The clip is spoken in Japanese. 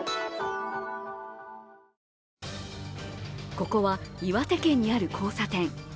ここは、岩手県にある交差点。